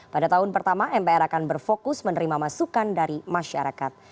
pada tahun pertama mpr akan berfokus menerima masukan dari masyarakat